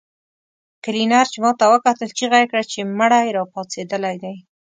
کلينر چې ماته وکتل چيغه يې کړه چې مړی راپاڅېدلی دی.